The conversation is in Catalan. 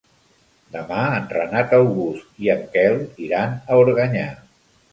Demà en Renat August i en Quel iran a Organyà.